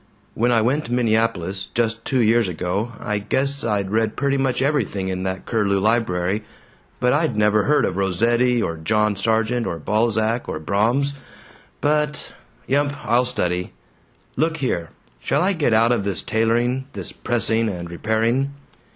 When I went to Minneapolis, just two years ago, I guess I'd read pretty much everything in that Curlew library, but I'd never heard of Rossetti or John Sargent or Balzac or Brahms. But Yump, I'll study. Look here! Shall I get out of this tailoring, this pressing and repairing?"